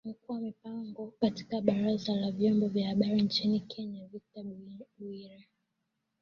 Mkuu wa mipango katika baraza la vyombo vya habari nchini Kenya Victor Bwire